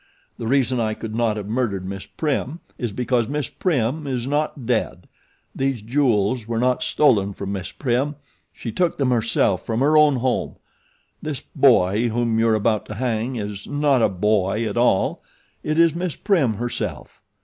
The reason I could not have murdered Miss Prim is because Miss Prim is not dead. These jewels were not stolen from Miss Prim, she took them herself from her own home. This boy whom you are about to hang is not a boy at all it is Miss Prim, herself.